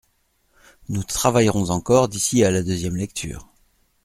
Nous travaillerons encore d’ici à la deuxième lecture.